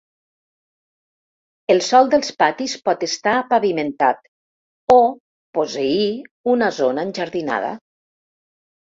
El sòl dels patis pot estar pavimentat, o posseir una zona enjardinada.